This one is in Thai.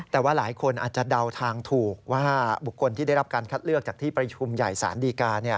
แต่ว่าหลายคนอาจจะเดาทางถูกว่าบุคคลที่ได้รับการคัดเลือกจากที่ประชุมใหญ่ศาลดีกา